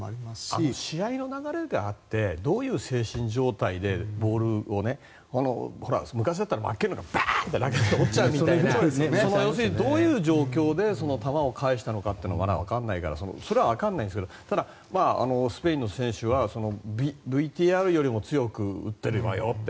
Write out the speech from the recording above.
あと、試合の流れであってどういう精神状態でボールを昔だったらマッケンローがバーッと投げて折っちゃうみたいなどういう状況で球を返したのかがまだわからないからそれはわからないんだけどただ、スペインの選手はＶＴＲよりも強く打っているわよって。